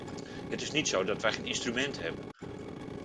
Het is niet zo dat wij geen instrumenten hebben.